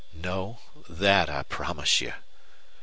"No. That I promise you."